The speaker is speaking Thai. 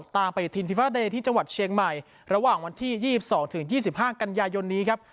ตามไปทินฟิฟาเดย์ที่จังหวัดเชียงใหม่ระหว่างวันที่๒๒๒๕กันยายนนี้ครับ